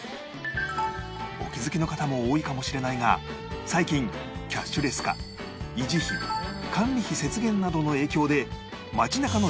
お気づきの方も多いかもしれないが最近キャッシュレス化維持費管理費節減などの影響で街中の ＡＴＭ が激減